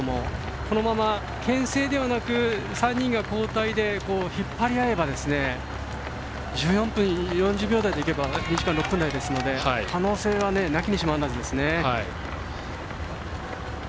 このまま、けん制ではなく３人が交代で引っ張り合えば１４分４０秒台でいけば２時間６分台ですので可能性は無きにしもあらずですね。